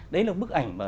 đấy là bức ảnh